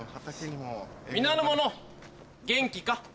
皆の者元気か？